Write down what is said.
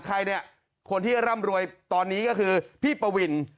ใครเนี่ยคนที่ร่ำรวยตอนนี้ก็คือพี่ปวิน